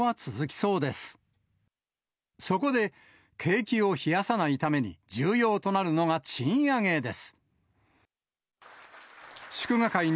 そこで、景気を冷やさないために重要となるのが賃上げです。